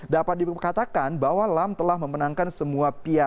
dapat dikatakan bahwa lampard telah memenangkan semua pertandingan